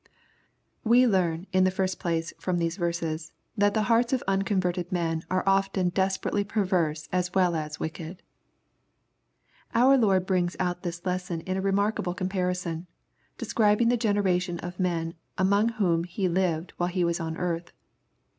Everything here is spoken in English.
We leam, in the first place, from these verses, that the hearts of unconverted men are often desperately per^ verse as wdl as wicked. Our Lord brings out this lesson in a remarkable com parison, describing the generation of men among whom He lived while He was on earth.